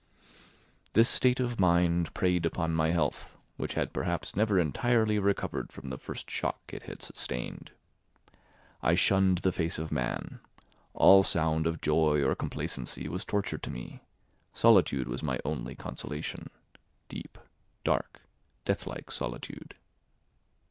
This state of mind preyed upon my health, which had perhaps never entirely recovered from the first shock it had sustained. I shunned the face of man; all sound of joy or complacency was torture to me; solitude was my only consolation—deep, dark, deathlike solitude.